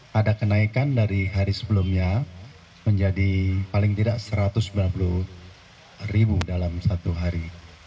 pada kenaikan dari hari sebelumnya menjadi paling tidak satu ratus sembilan puluh ribu dalam satu hari